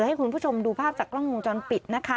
ให้คุณผู้ชมดูภาพจากกล้องวงจรปิดนะคะ